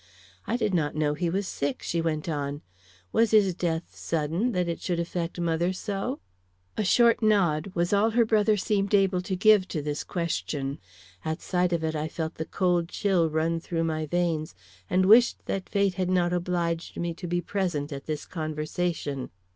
"I did not know he was sick," she went on. "Was his death sudden, that it should affect mother so?" A short nod was all her brother seemed to be able to give to this question. At sight of it I felt the cold chills run through my veins, and wished that fate had not obliged me to be present at this conversation.